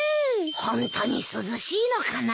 ホントに涼しいのかな。